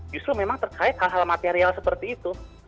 justru memang terkait hal hal material seperti itu